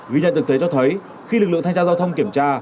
ghi nhận thực tế cho thấy khi lực lượng thanh tra giao thông kiểm tra